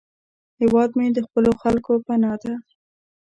هیواد مې د خپلو خلکو پناه ده